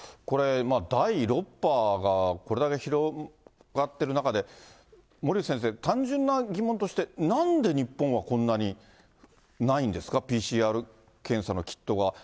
これ、第６波がこれだけ広がっている中で、森内先生、単純な疑問として、なんで日本はこんなにないんですか、ＰＣＲ検査のキットが。